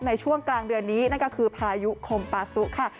ในช่วงกลางเดือนนี้นั่นก็คือพายุคมปาซุค่ะ